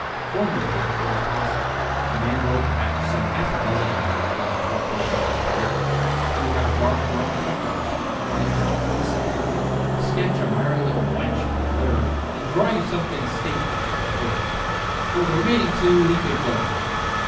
Formerly it was possible. A man wrote perhaps some half a dozen novels during the whole course of his career. He could have a dark girl for the first, a light girl for the second, sketch a merry little wench for the third, and draw you something stately for the fourth. For the remaining two he could go abroad.